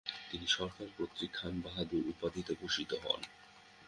তিনি সরকার কর্তৃক খাঁন বাহাদুর উপাধিতে ভূষিত হন।